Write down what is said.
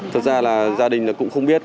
thật ra là gia đình cũng không biết